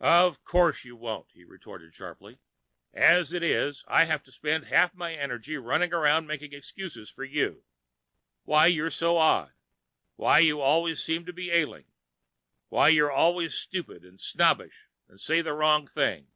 "Of course you won't," he retorted sharply. "As it is, I have to spend half my energy running around making excuses for you why you're so odd, why you always seem to be ailing, why you're always stupid and snobbish and say the wrong thing.